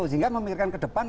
sehingga memikirkan ke depan